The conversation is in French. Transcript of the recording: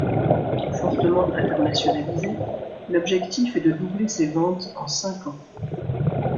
Fortement internationalisée, l'objectif est de doubler ses ventes en cinq ans.